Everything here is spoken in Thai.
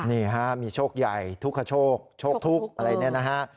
นี่ฮะมีโชคใหญ่ทุกขโชคโชคทุกข์อะไรเนี่ยนะฮะ